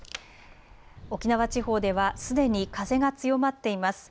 沖縄地方ではすでに風が強まっています。